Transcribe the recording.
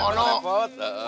renangnya pas bener